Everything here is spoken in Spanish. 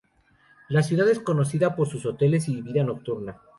La ciudad es conocida por sus hoteles y vida nocturna.